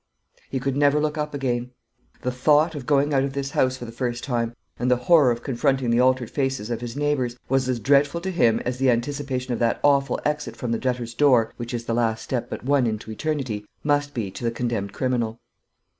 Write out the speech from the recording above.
He could never look up again. The thought of going out of this house for the first time, and the horror of confronting the altered faces of his neighbours, was as dreadful to him as the anticipation of that awful exit from the Debtor's Door, which is the last step but one into eternity, must be to the condemned criminal.